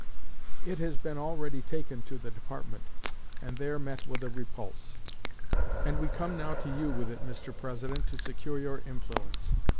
'It has been taken already to the Department, and there met with a repulse, and we come now to you with it, Mr. President, to secure your influence.